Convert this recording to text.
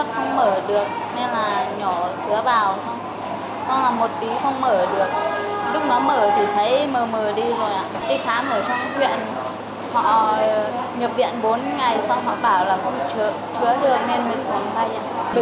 xong là một tí không mở được lúc nó mở thì thấy mờ mờ đi rồi ạ